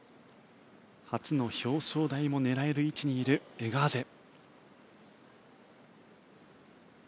初の表彰台も狙える位置にいるエガーゼ。